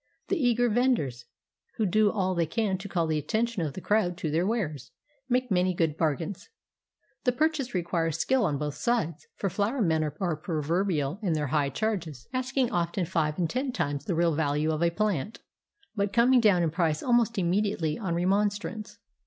The eager venders, who do all they can to call the attention of the crowd to their wares, make many good bargains. The purchase requires skill on both sides, for flower men are proverbial in their high charges, asking often five and ten times the real value of a plant, but coming down in price almost immediately on remonstrance.